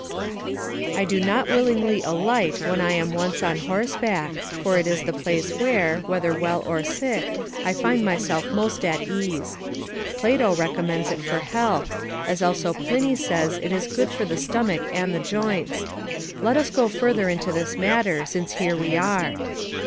I do not willingly alight when I am once on horseback, for it is the place where, whether well or sick, I find myself most at ease. Plato recommends it for health, as also Pliny says it is good for the stomach and the joints. Let us go further into this matter since here we are.